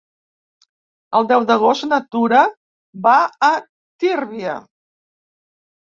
El deu d'agost na Tura va a Tírvia.